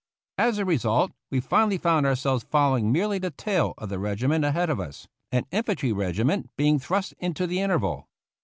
As a result, we finally found ourselves following merely the tail of the regiment ahead of us, an infantry regiment being thrust into the interval.